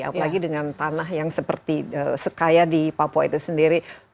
apalagi dengan tanah yang seperti sekaya di papua itu sendiri